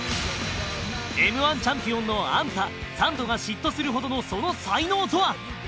Ｍ−１ チャンピオンのアンタサンドが嫉妬するほどのその才能とは？